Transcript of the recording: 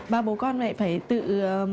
ba bố con lại phải tự